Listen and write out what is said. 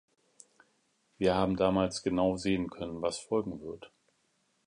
Wir haben damals genau sehen können, was folgen wird.